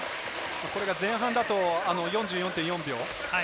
これが前半だと４４．４秒。